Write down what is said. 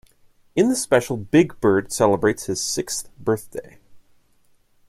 In the special Big Bird celebrates his sixth birthday.